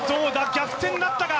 逆転なったか？